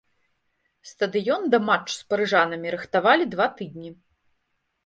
Стадыён да матчу з парыжанамі рыхтавалі два тыдні.